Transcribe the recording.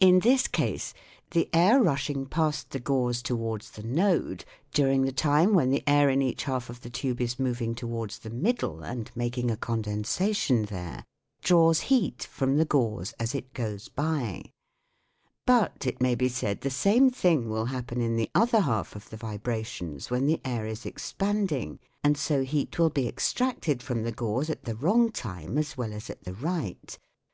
In this case the air rushing past the gauze to wards the node, during the time when the air in each half of the tube is moving towards the middle and making a condensa tion there, draws heat from the gauze as it goes by. But, it may be said, the same thing will SOUNDS OF THE TOWN 97 happen in the other half of the vibrations when the air is expanding, and so heat will be extracted from the gauze at the wrong time as well as at the right.